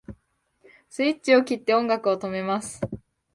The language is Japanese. スイッチを切って音楽を止めます